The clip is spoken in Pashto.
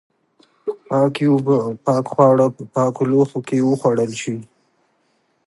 پاکې اوبه او پاک خواړه په پاکو لوښو کې وخوړل شي.